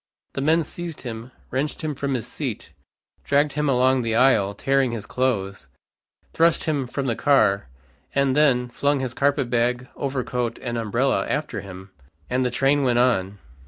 The men seized him, wrenched him from his seat, dragged him along the aisle, tearing his clothes, thrust him from the car, and, then flung his carpet bag, overcoat and umbrella after him. And the train went on.